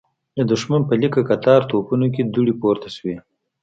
د دښمن په ليکه کتار توپونو کې دوړې پورته شوې.